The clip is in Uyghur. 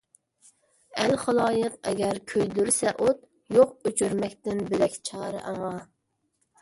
ئەل - خالايىق ئەگەر كۆيدۈرسە ئوت، يوق ئۆچۈرمەكتىن بۆلەك چارە ئاڭا.